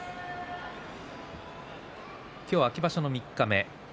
今日は秋場所の三日目。